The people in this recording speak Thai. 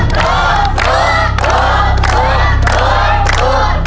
โทษ